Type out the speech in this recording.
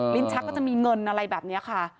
ลิ้นชักก็จะมีเงินอะไรแบบนี้ค่ะ